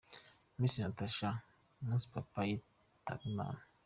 Miss Natacha : Umunsi Papa yitaba Imana.